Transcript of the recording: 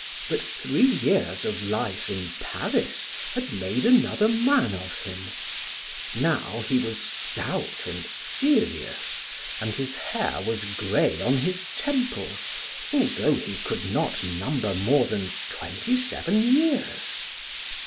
But three years of life in Paris had made another man of him; now he was stout and serious, and his hair was gray on his temples although he could not number more than twenty seven years.